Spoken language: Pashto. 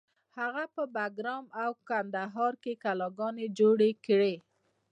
هغه په بګرام او کندهار کې کلاګانې جوړې کړې